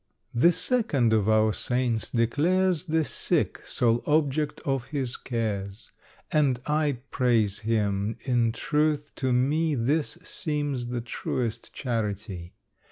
The second of our saints declares The sick sole object of his cares; And I praise him: in truth, to me This seems the truest charity.